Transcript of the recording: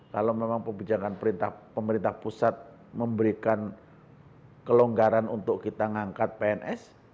kalau memang kebijakan pemerintah pusat memberikan kelonggaran untuk kita mengangkat pns